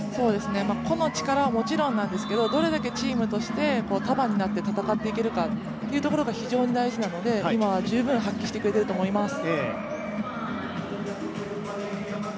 個の力ももちろんなんですけど、どれだけチームとして束になって戦っていけるかというところが非常に大事なので、今は十分発揮してくれてると思います。